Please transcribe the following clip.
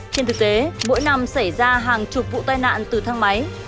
trên thực tế mỗi năm xảy ra hàng chục vụ tai nạn từ thang máy